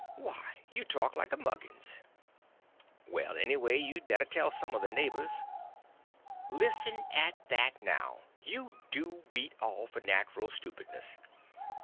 Why, you talk like a muggins." "Well, anyway, maybe you'd better tell some of the neighbors." "Listen at that, now. You do beat all for natural stupidness.